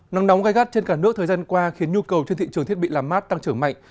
nắng nóng gai gắt trên cả nước thời gian qua khiến nhu cầu trên thị trường thiết bị làm mát tăng trở mạnh